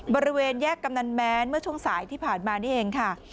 บริเวณแยกกำนันแม้นเมื่อช่วงสายที่ผ่านมานี่เองค่ะ